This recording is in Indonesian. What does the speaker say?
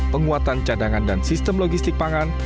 penguatan cadangan dan sistem logistik pangan